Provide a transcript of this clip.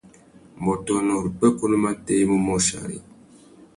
Mbõtônô râ upwêkunú matê i mú môchia ari.